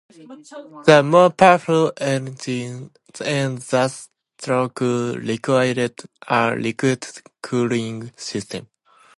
The more powerful engine and thus torque required a liquid cooling system.